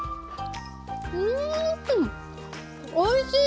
うんおいしい！